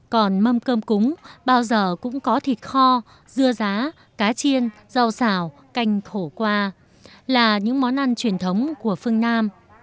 còn mâm cơm cúng bao giờ cũng có thịt kho dưa giá cá chiên rau xào canh thổ qua là những món ăn truyền thống của phương nam